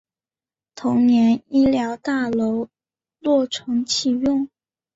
同年医疗大楼落成启用。